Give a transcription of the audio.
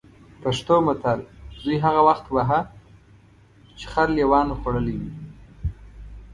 پښتو متل: زوی هغه وخت وهه چې خر لېوانو خوړلی وي.